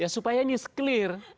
ya supaya ini clear